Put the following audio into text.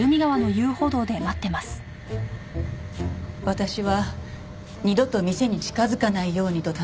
私は二度と店に近づかないようにと頼みに。